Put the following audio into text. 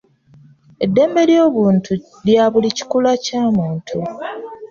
Eddembe ly'obuntu lya buli kikula Kya muntu.